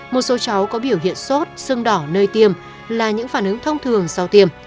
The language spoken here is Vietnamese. một số cháu có biểu hiện sốt sưng đỏ nơi tiêm là những phản ứng thông thường sau tiêm